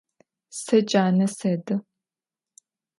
Se cane sedı.